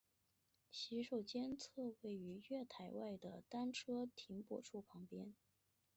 洗手间则位于月台外的单车停泊处旁边。